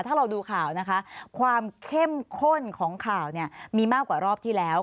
ถ้าเราดูข่าวนะคะความเข้มข้นของข่าวเนี่ยมีมากกว่ารอบที่แล้ว